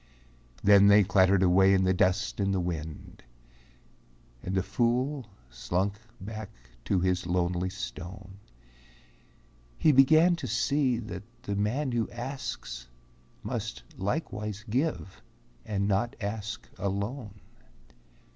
Then they clattered away in the dust and the wind, And the fool slunk back to his lonely stone; He began to see that the man who asks Must likewise give and not ask alone.